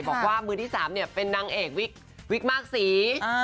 บอกว่ามือที่๓เนี่ยเป็นนางเอกวิกมาร์กสี